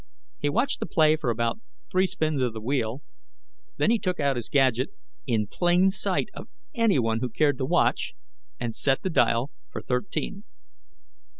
He watched the play for about three spins of the wheel, then he took out his gadget in plain sight of anyone who cared to watch and set the dial for thirteen.